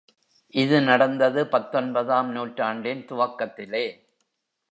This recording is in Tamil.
இது நடந்தது பத்தொன்பதாம் நூற்றாண்டின் துவக்கத்திலே.